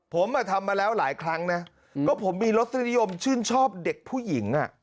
ผมทำมาแล้วหลายครั้งนะก็ผมมีรสนิยมชื่นชอบเด็กผู้หญิง